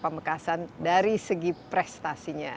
pembekasan dari segi prestasinya